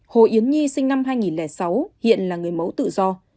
hồ yến nhi sinh năm hai nghìn sáu hiện là người mẫu tự do